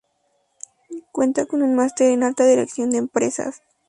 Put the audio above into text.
Cuenta con un máster en alta Dirección de Empresas.